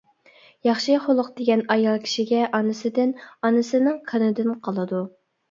ياخشى خۇلق دېگەن ئايال كىشىگە ئانىسىدىن، ئانىسىنىڭ قېنىدىن قالىدۇ.